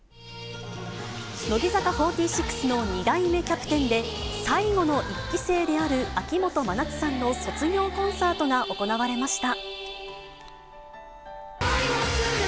乃木坂４６の２代目キャプテンで、最後の１期生である秋元真夏さんの卒業コンサートが行われました。